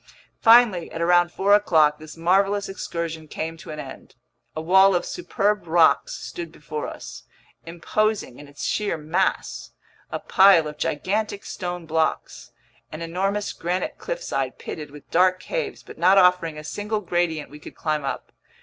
Finally, at around four o'clock, this marvelous excursion came to an end. A wall of superb rocks stood before us, imposing in its sheer mass: a pile of gigantic stone blocks, an enormous granite cliffside pitted with dark caves but not offering a single gradient we could climb up.